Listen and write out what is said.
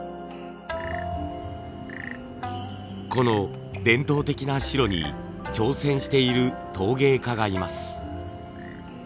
この伝統的な白に挑戦している陶芸家がいます。